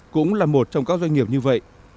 cũng là một trong các doanh nghiệp như vậy